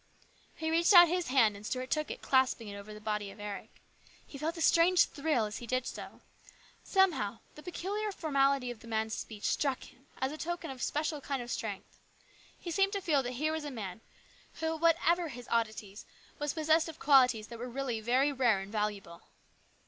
He reached out his hand and Stuart took it, clasping it over the body of Eric. He felt a strange thrill as he did so. Somehow the peculiar formality of the man's speech struck him as a token of a special kind of strength. He seemed to feel that here was a man who, whatever his oddities, was possessed of qualities that were really very rare and valuable.